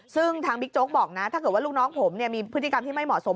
ซึ่งทางบิ๊กโจ๊กบอกนะถ้าเกิดว่าลูกน้องผมมีพฤติกรรมที่ไม่เหมาะสม